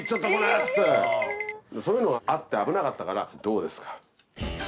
そういうのがあって危なかったからどうですか。